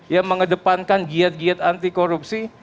yang mengedepankan giat giat anti korupsi